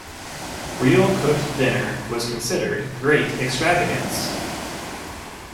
Real cooked dinner was considered great extravagance.